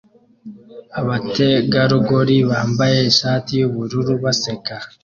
abategarugori bambaye ishati yubururu baseka